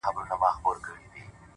خو اوس د اوښكو سپين ځنځير پر مخ گنډلی!!